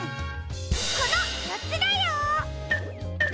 このよっつだよ！